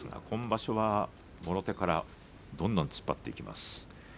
今場所はどんどん突っ張っていきます。